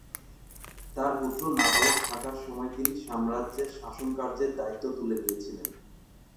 তার পুত্র নাবালক থাকার সময়ে তিনি সাম্রাজ্যের শাসন কার্যের দায়িত্ব তুলে নিয়েছিলেন।